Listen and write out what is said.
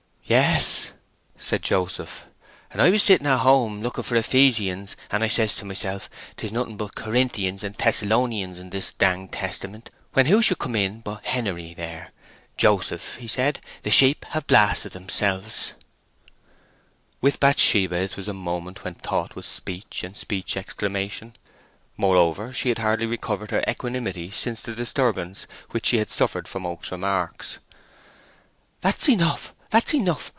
"Yes," said Joseph, "and I was sitting at home, looking for Ephesians, and says I to myself, ''Tis nothing but Corinthians and Thessalonians in this danged Testament,' when who should come in but Henery there: 'Joseph,' he said, 'the sheep have blasted theirselves—'" With Bathsheba it was a moment when thought was speech and speech exclamation. Moreover, she had hardly recovered her equanimity since the disturbance which she had suffered from Oak's remarks. "That's enough—that's enough!